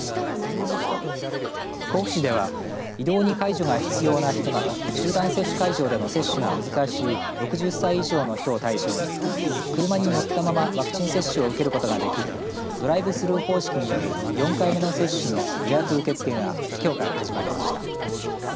甲府市では移動に介助が必要な人など集団接種会場での接種が難しい６０歳以上の人を対象に車に乗ったままワクチン接種を受けることができるドライブスルー方式による４回目の接種の予約受け付けがきょうから始まりました。